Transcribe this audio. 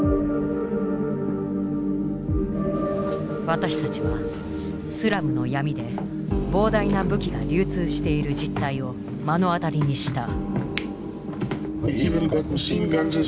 私たちはスラムの闇で膨大な武器が流通している実態を目の当たりにした。